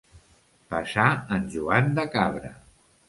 Passar en Joan de Cabra.